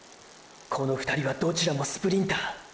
この２人はどちらもスプリンター。